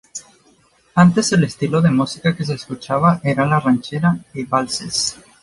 Antes el estilo de música que se escuchaba era la ranchera y valses.